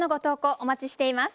お待ちしています。